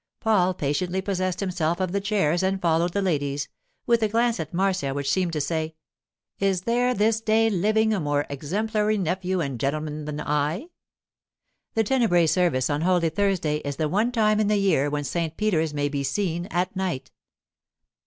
Paul patiently possessed himself of the chairs and followed the ladies, with a glance at Marcia which seemed to say, 'Is there this day living a more exemplary nephew and gentleman than I?' The tenebræ service on Holy Thursday is the one time in the year when St. Peter's may be seen at night.